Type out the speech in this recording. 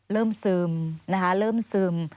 เริ่มซึมนะคะเริ่มซึม